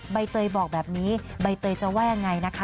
ใบเตยบอกแบบนี้ใบเตยจะว่ายังไงนะคะ